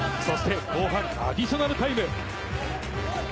そして後半アディショナルタイム。